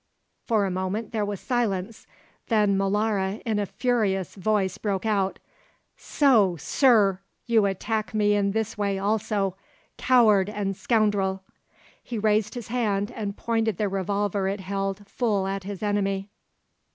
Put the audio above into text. For a moment there was silence. Then Molara in a furious voice broke out: "So, Sir, you attack me in this way also, coward and scoundrel!" He raised his hand and pointed the revolver it held full at his enemy.